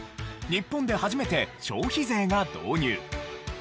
日本で初めて消費税が導入。